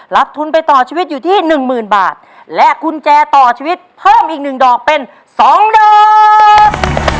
ทุนไปต่อชีวิตอยู่ที่หนึ่งหมื่นบาทและกุญแจต่อชีวิตเพิ่มอีกหนึ่งดอกเป็น๒ดอก